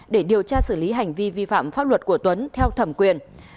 để điều tra xử lý hành vi vi phạm pháp luật của tuấn theo thẩm quyền